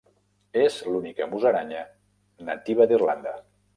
És l'única musaranya nativa d'Irlanda.